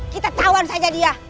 kita tawan saja dia